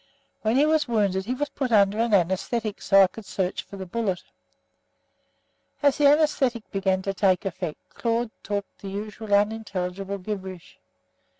When he was wounded he was put under an anæsthetic so that I could search for the bullet. As the anæsthetic began to take effect, Claude talked the usual unintelligible gibberish.